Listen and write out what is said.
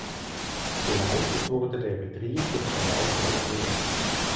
Geleitet wurde der Betrieb durch Verwalter Lange.